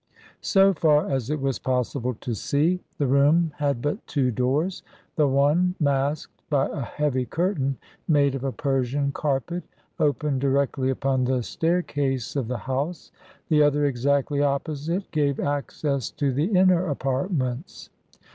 So far as it was possible to see, the room had but two doors; the one, masked by a heavy curtain made of a Persian carpet, opened directly upon the staircase of the house; the other, exactly opposite, gave access to the inner apartments.